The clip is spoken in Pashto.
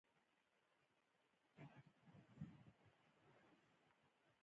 انار د افغانستان د ټولنې لپاره یو بنسټيز رول لري.